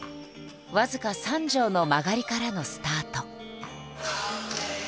僅か３畳の間借りからのスタート。